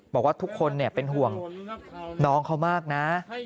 บอกว่าทุกคนเป็นห่วงน้องเขามากนะ